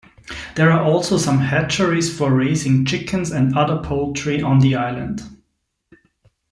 There are also some hatcheries for raising chickens and other poultry on the island.